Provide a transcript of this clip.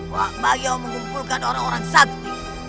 wakbayau mengumpulkan orang orang sakti